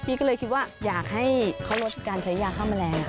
ก็เลยคิดว่าอยากให้เขาลดการใช้ยาฆ่าแมลง